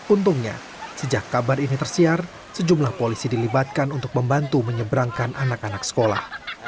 untungnya sejak kabar ini tersiar sejumlah polisi dilibatkan untuk membantu menyeberangkan anak anak sekolah